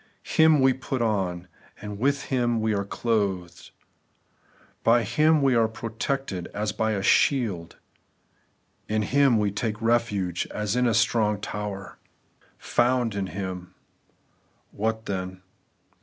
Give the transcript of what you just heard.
Him we ' put on,' and with Him we are clothed, by Him we are protected as by a shield, in Him we take refuge as in a strong tower. ' Found in Him.' What then